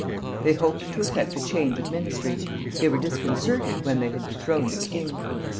They hoped to effect a change of ministry: they were disconcerted when they had dethroned a king.